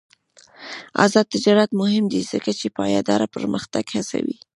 آزاد تجارت مهم دی ځکه چې پایداره پرمختګ هڅوي.